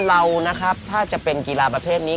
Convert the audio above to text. เราถ้าจะเป็นกีฬาประเทศนี้